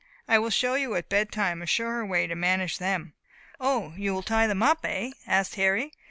I will show you at bed time a surer way to manage them." "O, you will tie them up, hey?" asked Harry.